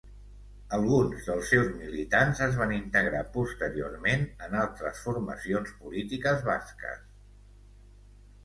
Alguns dels seus militants es van integrar posteriorment en altres formacions polítiques basques.